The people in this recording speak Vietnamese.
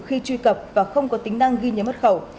khi truy cập và không có tính năng ghi nhớ bất khẩu